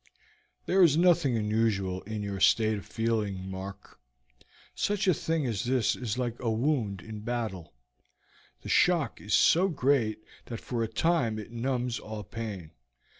"There is nothing unusual in your state of feeling, Mark. Such a thing as this is like a wound in battle; the shock is so great that for a time it numbs all pain.